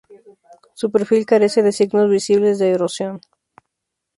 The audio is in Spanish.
Su perfil carece de signos visibles de erosión.